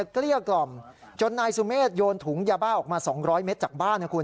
เกลี้ยกล่อมจนนายสุเมฆโยนถุงยาบ้าออกมา๒๐๐เมตรจากบ้านนะคุณ